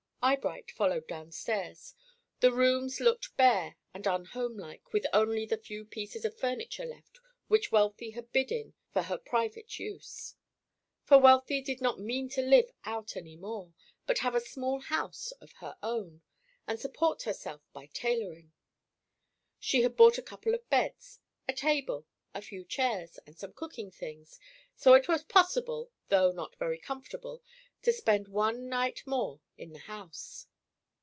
Eyebright followed downstairs. The rooms looked bare and unhomelike with only the few pieces of furniture left which Wealthy had bid in for her private use; for Wealthy did not mean to live out any more, but have a small house of her own, and support herself by "tailorin'." She had bought a couple of beds, a table, a few chairs, and some cooking things, so it was possible, though not very comfortable, to spend one night more in the house.